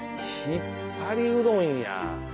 ひっぱりうどんや。